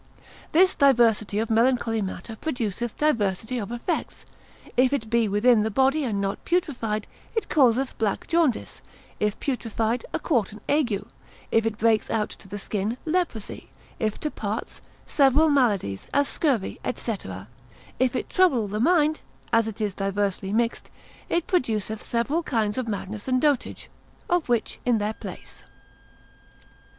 This diversity of melancholy matter produceth diversity of effects. If it be within the body, and not putrified, it causeth black jaundice; if putrified, a quartan ague; if it break out to the skin, leprosy; if to parts, several maladies, as scurvy, &c. If it trouble the mind; as it is diversely mixed, it produceth several kinds of madness and dotage: of which in their place.